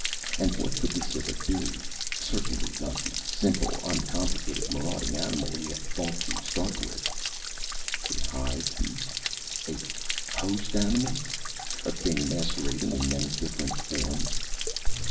And what could the Cytha be? Certainly not the simple, uncomplicated, marauding animal he had thought to start with. A hive beast? A host animal? A thing masquerading in many different forms?